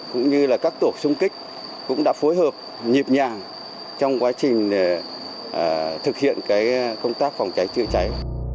cũng như là các tổ sung kích cũng đã phối hợp nhịp nhàng trong quá trình thực hiện công tác phòng cháy chữa cháy